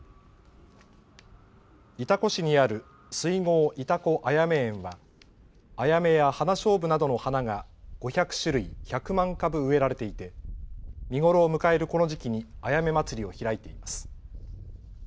潮来市にある水郷潮来あやめ園はアヤメやハナショウブなどの花が５００種類、１００万株植えられていて見頃を迎えるこの時期にあやめまつりを開いています。